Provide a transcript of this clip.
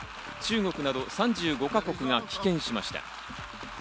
中国など３５か国が棄権しました。